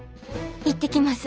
行ってきます。